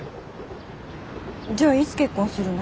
じゃあいつ結婚するの？